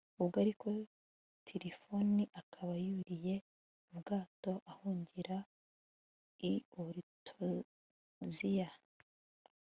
ubwo ariko tirifoni akaba yuriye ubwato ahungira i oritoziya